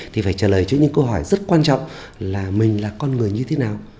thì phải trả lời cho những câu hỏi rất quan trọng là mình là con người như thế nào